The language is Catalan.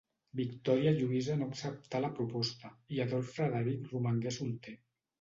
Victòria Lluïsa no acceptà la proposta i Adolf Frederic romangué solter.